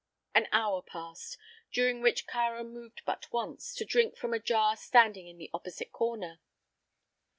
An hour passed, during which Kāra moved but once, to drink from a jar standing in the opposite corner.